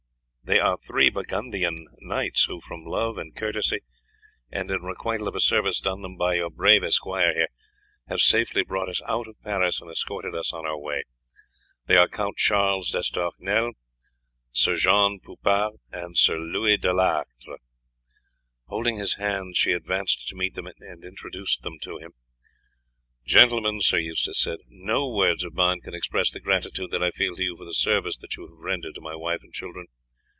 "They are three Burgundian knights, who from love and courtesy, and in requital of a service done them by your brave esquire here, have safely brought us out of Paris and escorted us on our way. They are Count Charles d'Estournel, Sir John Poupart, and Sir Louis de Lactre." Holding his hand she advanced to meet them and introduced them to him. "Gentlemen," Sir Eustace said, "no words of mine can express the gratitude that I feel to you for the service that you have rendered to my wife and children.